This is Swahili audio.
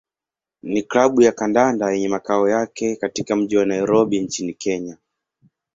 ni klabu ya kandanda yenye makao yake katika mji wa Nairobi nchini Kenya.